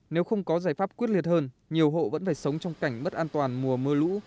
nếu không có giải pháp quyết liệt hơn nhiều hộ vẫn phải sống trong cảnh bất an toàn mùa mưa lũ